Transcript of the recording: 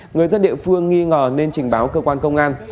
người dân địa phương nghi ngờ nên trình báo cơ quan công an